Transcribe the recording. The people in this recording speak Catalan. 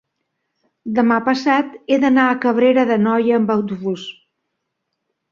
demà passat he d'anar a Cabrera d'Anoia amb autobús.